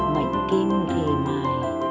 mệnh kim thì mài